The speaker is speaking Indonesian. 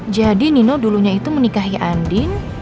jadi nino dulunya itu menikahi andin